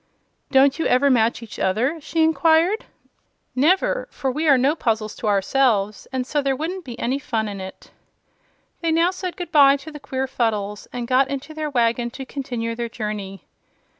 "Don't you ever match each other?" she inquired. "Never; for we are no puzzles to ourselves, and so there wouldn't be any fun in it." They now said goodbye to the queer Fuddles and got into their wagon to continue their journey.